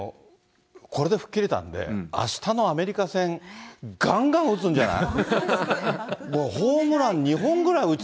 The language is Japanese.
これで吹っ切れたんで、あしたのアメリカ戦、がんがん打つんじゃない？